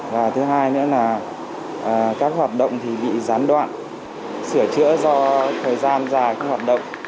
và thứ hai nữa là các hoạt động thì bị gián đoạn sửa chữa do thời gian dài các hoạt động